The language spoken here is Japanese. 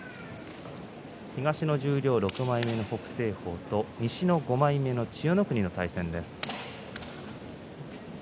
東の十両６枚目の北青鵬と西の５枚目の千代の国の対戦です。